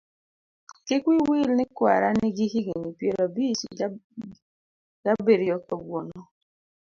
kik wiyi wil ni kwara nigi higni piero abiriyo ga biriyo kawuono.